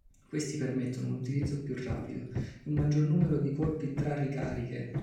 Questi permettono un utilizzo più rapido, e un maggior numero di colpi tra ricariche.